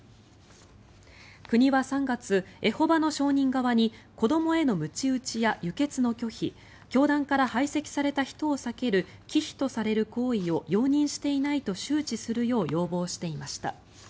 国は３月エホバの証人側に子どもへのむち打ちや輸血の拒否教団から排斥された人を避ける忌避とされる行為を容認していないと周知するよう要望していました。